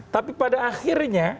tapi pada akhirnya